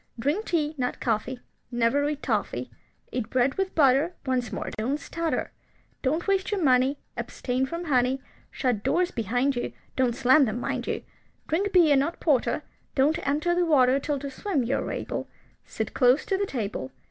Drink tea, not coffee; Never eat toffy. Eat bread with butter. Once more, don't stutter. Don't waste your money, Abstain from honey. Shut doors behind you, (Don't slam them, mind you.) Drink beer, not porter. Don't enter the water Till to swim you are able. Sit close to the table.